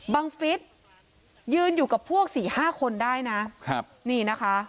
บังฟิศยืนอยู่กับพวก๔๕คนได้นะ